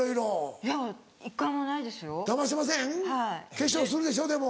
化粧するでしょでも。